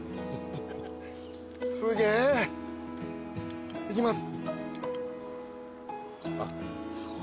すげぇ！いきます。